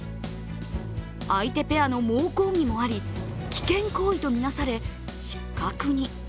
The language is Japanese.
相手ペアの猛抗議もあり、危険行為とみなされ、失格に。